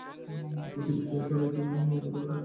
পৃথিবীতে কিছু কালের জন্য তোমাদের বসবাস ও জীবিকা রইল।